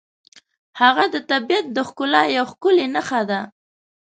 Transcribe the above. هغه د طبیعت د ښکلا یوه ښکلې نښه ده.